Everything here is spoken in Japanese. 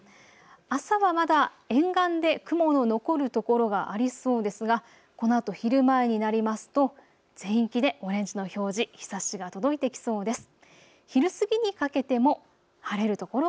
朝はまだ沿岸で雲の残る所がありそうですがこのあと昼前になりますと全域でオレンジの表示、日ざしが届いてきそうです。